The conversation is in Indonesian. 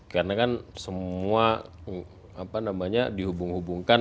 karena kan semua apa namanya dihubung hubungkan